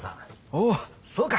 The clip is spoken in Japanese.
おおそうか。